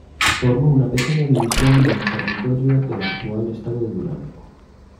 Formó una pequeña división en el territorio del actual estado de Durango.